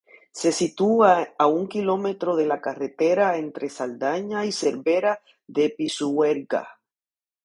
Se sitúa a un kilómetro de la carretera entre Saldaña y Cervera de Pisuerga.